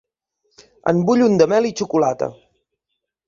En vull un de mel i xocolata.